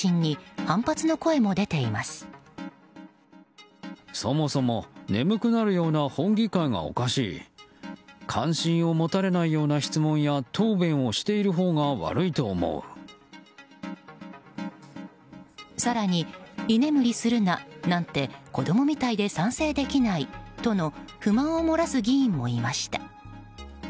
更に居眠りするななんて子供みたいで賛成できないとの不満を漏らす議員もいました。